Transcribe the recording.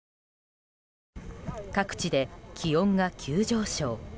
各地で気温が急上昇。